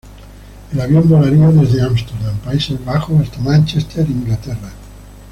El avión volaría desde Ámsterdam, Países Bajos hasta Manchester, Inglaterra.